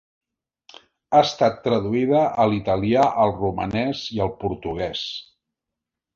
Ha estat traduïda a l'italià, al romanès i al portuguès.